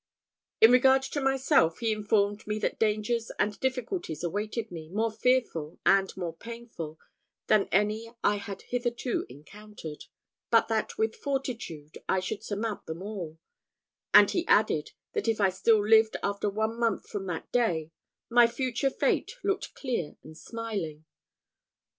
In regard to myself, he informed me that dangers and difficulties awaited me, more fearful and more painful than any I had hitherto encountered; but that with fortitude I should surmount them all; and he added, that if I still lived after one month from that day, my future fate looked clear and smiling.